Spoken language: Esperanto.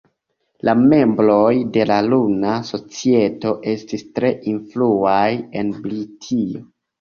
La membroj de la Luna Societo estis tre influaj en Britio.